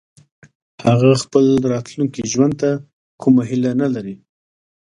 هغه خپل راتلونکي ژوند ته کومه هيله نه لري